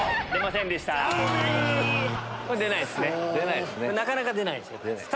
なかなか出ないです。